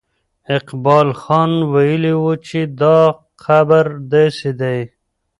اقبال خان ویلي وو چې دا قبر داسې دی.